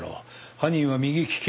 犯人は右利き。